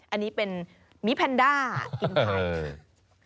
อันนี้เป็นมิแพนด้ากินไทย